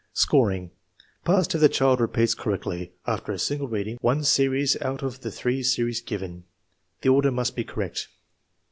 Scoring. Passed if the child repeats correctly, after a single reading, one series out of the three series given. The order must be correct.